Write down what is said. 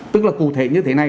tức là cụ thể như thế này